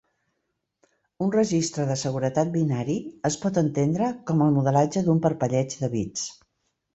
Un registre de seguretat binari es pot entendre com el modelatge d'un parpelleig de bits.